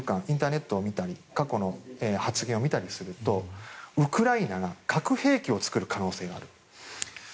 インターネットを見たり過去の発言を見たりするとウクライナが核兵器を作る可能性がある。